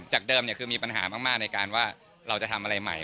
เดิมคือมีปัญหามากในการว่าเราจะทำอะไรใหม่